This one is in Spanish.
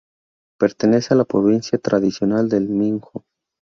Pertenece a la provincia tradicional del Minho.